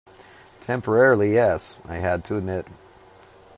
"Temporarily, yes," I had to admit.